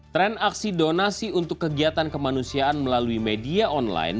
tren aksi donasi untuk kegiatan kemanusiaan melalui media online